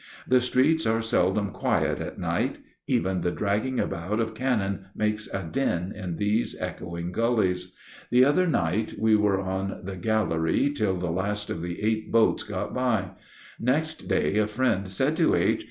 The streets are seldom quiet at night; even the dragging about of cannon makes a din in these echoing gullies. The other night we were on the gallery till the last of the eight boats got by. Next day a friend said to H.